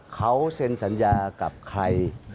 เขาเซ็นสัญญากับใคร